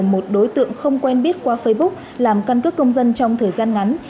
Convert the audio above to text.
một đối tượng không quen biết qua facebook làm căn cước công dân trong thời gian ngắn